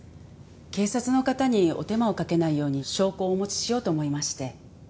警察の方にお手間をかけないように証拠をお持ちしようと思いまして。